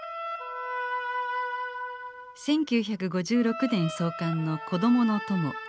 １９５６年創刊の「こどものとも」。